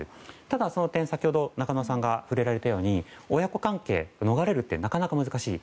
ただ、その点、先ほど中野さんが触れられたように親子関係を逃れるのはなかなか難しい。